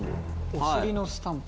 お尻のスタンプ？